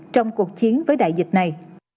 trong cuộc chiến với đại dịch này